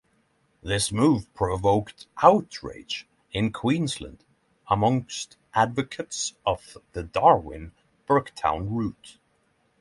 This move provoked outrage in Queensland amongst advocates of the Darwin-Burketown route.